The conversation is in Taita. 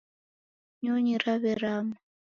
Nyonyi raw'erama.